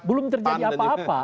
belum terjadi apa apa